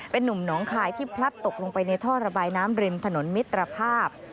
เป็นนุ่มหนองคายที่พลัดตกลงไปในท่อระบายน้ำริมถนนมิตรภาพ